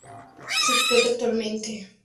Se explota actualmente el ecoturismo.